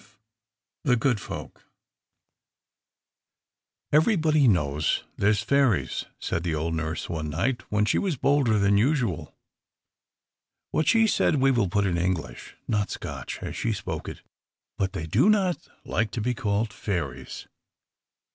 _ The Good Folk_ "EVERYBODY knows there's fairies," said the old nurse one night when she was bolder than usual. What she said we will put in English, not Scotch as she spoke it. "But they do not like to be called fairies.